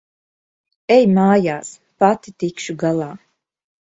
Ej mājās. Pati tikšu galā.